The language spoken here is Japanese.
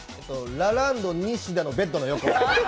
ラランド・西田のベッド。